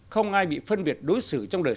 không ai bị phân biệt đối xử trong đời